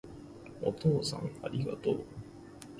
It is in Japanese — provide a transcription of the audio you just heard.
お父さんありがとう